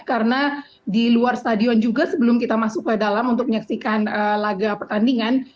karena di luar stadion juga sebelum kita masuk ke dalam untuk menyaksikan laga pertandingan